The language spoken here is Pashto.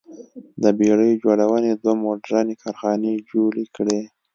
د بېړۍ جوړونې دوه موډرنې کارخانې جوړې کړې.